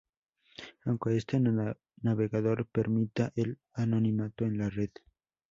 aunque este navegador permita el anonimato en la red